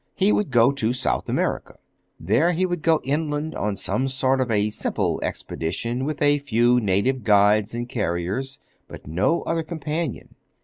He would go to South America. There he would go inland on some sort of a simple expedition with a few native guides and carriers, but no other companion.